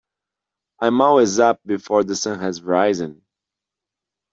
I'm always up before the sun has risen.